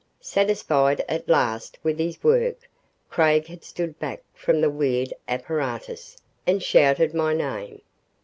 Satisfied at last with his work, Craig had stood back from the weird apparatus and shouted my name.